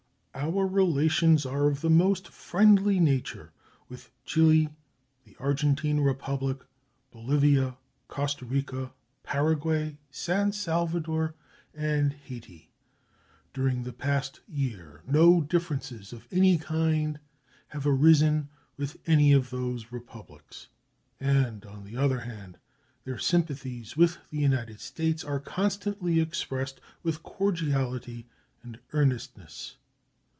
Our relations are of the most friendly nature with Chile, the Argentine Republic, Bolivia, Costa Rica, Paraguay, San Salvador, and Hayti. During the past year no differences of any kind have arisen with any of those Republics, and, on the other hand, their sympathies with the United States are constantly expressed with cordiality and earnestness.